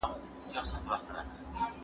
په دې تعریف کي باید مهمو ټکو ته ځیر سو.